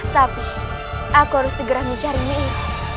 tapi aku harus segera mencari nyi iroh